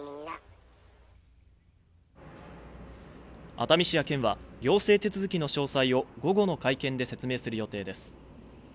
熱海市や県は現場行政手続きの詳細を午後の会見で説明する予定です